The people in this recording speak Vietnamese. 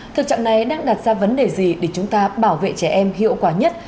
thực trạng này đang đặt ra vấn đề gì để chúng ta bảo vệ trẻ em hiệu quả nhất